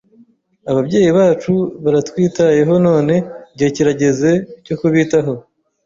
Ababyeyi bacu baratwitayeho none igihe kirageze cyo kubitaho.